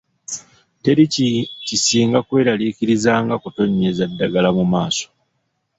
Teri kisinga kweralariikiriza nga kutonnyeza ddagala mu maaso.